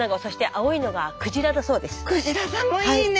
そして青いのがクジラだそうです。